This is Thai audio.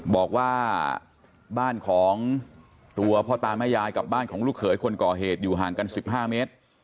บอกว่าบ้านของตัวพ่อตาแม่ยายกับบ้านของลูกเขยคนก่อเหตุอยู่ห่างกัน๑๕เมตร